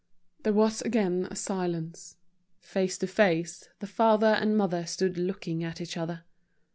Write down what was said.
There was again a silence. Face to face, the father and mother stood looking at each other.